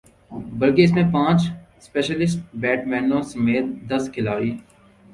بلکہ اس میں پانچ اسپیشلسٹ بیٹسمینوں سمیت دس کھلاڑی